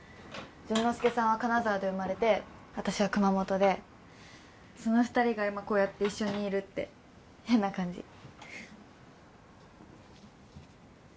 潤之介さんは金沢で生まれて私は熊本でその２人が今こうやって一緒にいるって変な感じ